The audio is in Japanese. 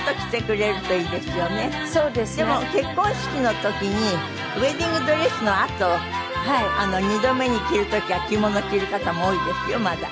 でも結婚式の時にウェディングドレスのあと２度目に着る時は着物着る方も多いですよまだ。